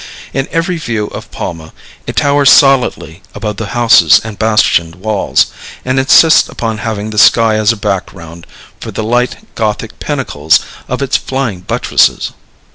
In every view of Palma, it towers solidly above the houses and bastioned walls, and insists upon having the sky as a background for the light Gothic pinnacles of its flying buttresses.